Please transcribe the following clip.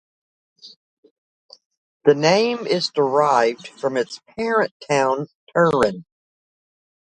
The name is derived from its parent town, Turin.